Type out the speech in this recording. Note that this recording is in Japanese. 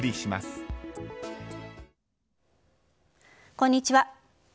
こんにちは。